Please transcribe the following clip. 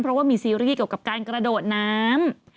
เพราะว่ามีซีรีส์เกี่ยวกับการกระโดดน้ำ